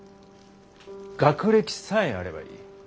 学歴さえあればいい。